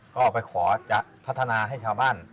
ก็ไปขอจะพัฒนาให้ชาวบ้าน